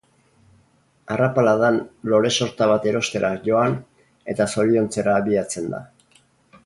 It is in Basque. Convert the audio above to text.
Arrapaladan lore-sorta bat erostera joan, eta zoriontzera abiatzen da.